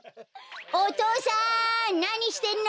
お父さんなにしてんの？